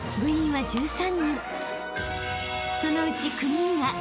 ［そのうち］